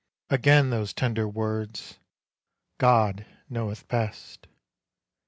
Again those tender words, "God knoweth best."